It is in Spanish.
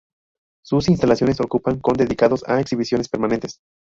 Sus instalaciones ocupan con dedicados a exhibiciones permanentes.